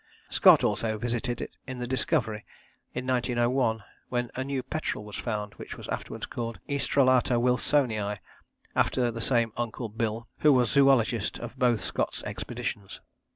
Scott also visited it in the Discovery in 1901, when a new petrel was found which was afterwards called 'Oestrelata wilsoni,' after the same 'Uncle Bill' who was zoologist of both Scott's Expeditions.